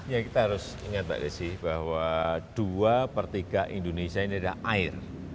ya kita harus ingat pak gresi bahwa dua per tiga indonesia ini ada air